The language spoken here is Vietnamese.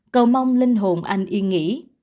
cầu mong linh hồn anh